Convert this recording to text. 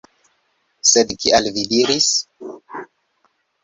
Sed kial vi diris?